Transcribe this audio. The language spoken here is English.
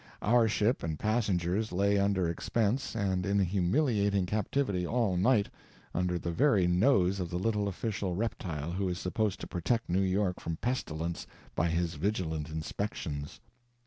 Our ship and passengers lay under expense and in humiliating captivity all night, under the very nose of the little official reptile who is supposed to protect New York from pestilence by his vigilant "inspections."